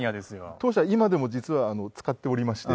当社今でも実は使っておりまして。